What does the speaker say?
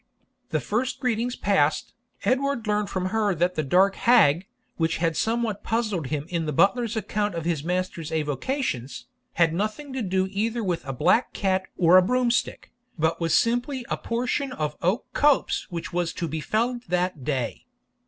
The first greetings past, Edward learned from her that the dark hag, which had somewhat puzzled him in the butler's account of his master's avocations, had nothing to do either with a black cat or a broomstick, but was simply a portion of oak copse which was to be felled that day.